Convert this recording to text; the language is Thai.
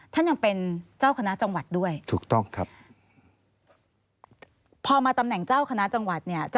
ท่านยังเป็นเจ้าคณะจังหวัดด้วยพอมาตำแหน่งเจ้าคณะจังหวัด